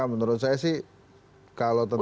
menurut saya sih kalau tentang